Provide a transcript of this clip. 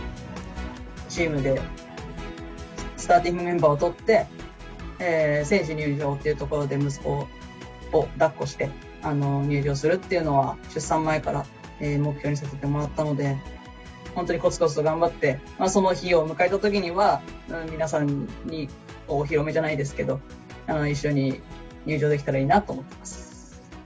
チームでスターティングメンバーをとって、選手入場というところで息子をだっこして入場するっていうのは、出産前から目標にさせてもらっていたので、本当にこつこつと頑張って、その日を迎えたときには、皆さんにお披露目じゃないですけど、一緒に入場できたらいいなと思ってます。